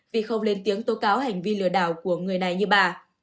vì không lên tiếng tố cáo hành vi lừa đảo của người này như bà